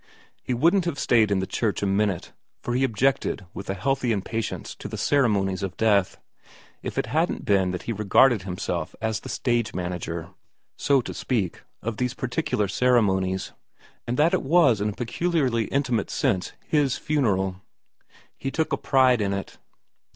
He wouldn't have stayed in the church a minute, for he objected with a healthy impatience to the ceremonies of death, if it hadn't been that he regarded himself as the stage manager, BO to speak, of these particular ceremonies, and that it was in a peculiarly intimate sense his funeral. He iv VERA 33 took a pride in it.